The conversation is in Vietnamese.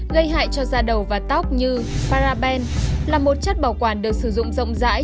gây hại cho da đầu và tóc như paraben là một chất bảo quản được sử dụng rộng rãi